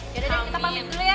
yaudah kita pamit dulu ya